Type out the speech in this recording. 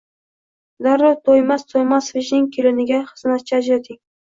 Darrov Toymas Toymasovichning keliniga xizmatchi ajrating